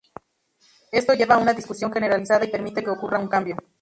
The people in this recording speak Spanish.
Esto lleva a una discusión generalizada y permite que ocurra un cambio.